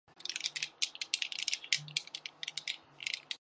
双齿毛足蟹为扇蟹科毛足蟹属的动物。